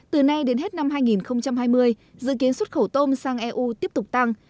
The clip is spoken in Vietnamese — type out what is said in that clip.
từ nay đến hết năm hai nghìn hai mươi dự kiến xuất khẩu tôm sang eu tiếp tục tăng